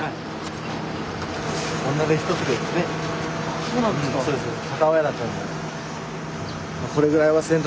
そうなんですか。